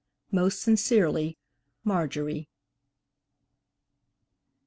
Most sincerely, MARJORIE.